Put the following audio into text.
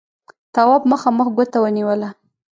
تواب مخامخ ګوته ونيوله: